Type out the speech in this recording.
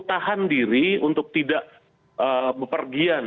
tahan diri untuk tidak bepergian